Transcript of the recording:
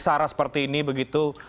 sara seperti ini begitu